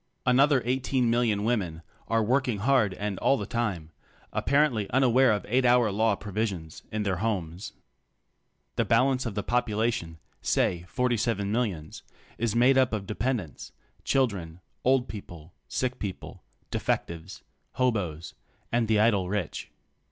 Another eighteen million women are working hard and all the time — apparently unaware of 8 hour law provisions — in their homes. The balance of the population — say forty seven millions — is made up of de pendents — children, old people, sick people, defectives, ho boes, and the idle rich.